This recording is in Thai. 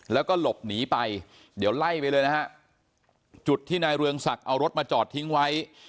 แล้วก็หลบหนีไปเดี๋ยวไล่ไปเลยนะฮะจุดที่นายเรืองศักดิ์เอารถมาจอดทิ้งไว้